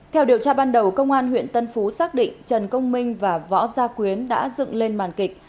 theo điều tra ban đầu công an huyện tân phú xác định trần công minh và võ gia quyến đã dựng lên màn kịch